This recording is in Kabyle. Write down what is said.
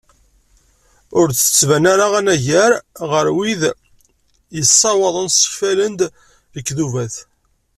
Ur d-tettban ara anagar ɣer wid yessawaḍen ssekfalen-d lekdubat.